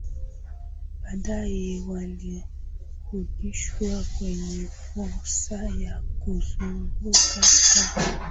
baadaye walirudishwa kwenye fursa ya kuzunguka kwa